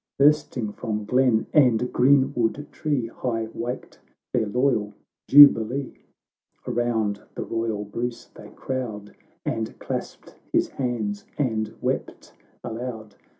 Bursting from glen and green wood tree, High waked their loyal jubilee ! Around the royal Bruce they crowd, And clasped his hands, and wept aloud.